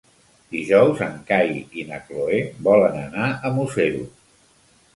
Dijous en Cai i na Cloè volen anar a Museros.